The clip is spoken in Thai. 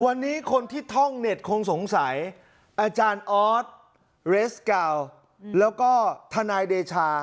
วันนี้คนที่ท่องเน็ตคงสงสัยอาจารย์ออสเรสกาวแล้วก็ทนายเดชา